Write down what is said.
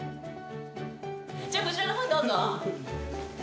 じゃあ、こちらのほうどうぞ。